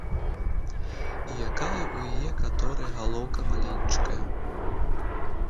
І якая ў яе каторай галоўка маленечкая!